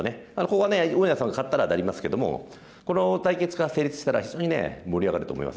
ここは上野さんが勝ったら当たりますけどもこの対決が成立したら非常に盛り上がると思いますね。